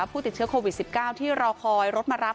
ผู้ติดเชื้อโควิด๑๙ที่รอคอยรถมารับ